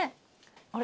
あれ？